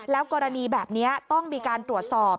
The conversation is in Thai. กรณีแบบนี้ต้องมีการตรวจสอบ